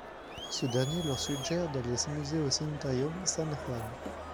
Ce dernier leur suggère d'aller s'amuser au Sanitarium San Juan.